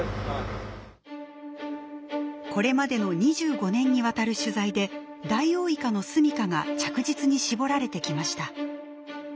これまでの２５年にわたる取材でダイオウイカのすみかが着実に絞られてきました。